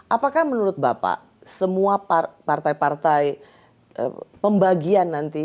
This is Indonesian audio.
apakah menurut bapak semua partai partai pembagian nanti